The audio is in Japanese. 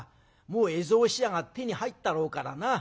もう絵草紙屋が手に入ったろうからな。